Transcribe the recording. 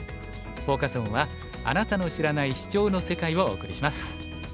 フォーカス・オンは「あなたの知らない“シチョウ”の世界」をお送りします。